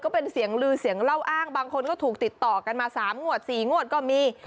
เป็นเสียงลือเสียงเล่าอ้างบางคนก็ถูกติดต่อกันมา๓งวด๔งวดก็มี